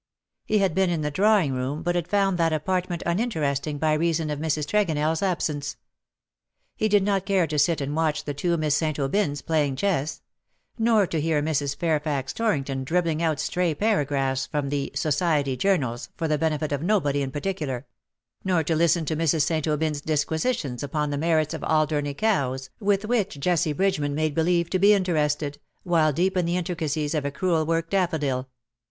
He had been in the drawing " TIME TURNS THE OLD DAYS TO DERISION." 153 roonij but had found that apartment uninteresting by reason of Mrs. Tregonell^s absence. He did not care to sit and watch the two Miss St. Aubyns playing chess — nor to hear Mrs. Fairfax Torrington dribbling out stray paragraphs from the " society journals" for the benefit of nobody in particular — nor to listen to Mrs. St. Aubyn^s disquisitions upon the merits of Alderney cows^with which Jessie Bridge man made believe to be interested,, while deep in the intricacies of a crewel work daffodil.